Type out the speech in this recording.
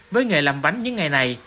với nghề làm bánh những ngày này